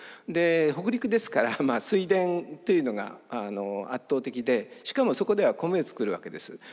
で北陸ですから水田というのが圧倒的でしかもそこでは米を作るわけです。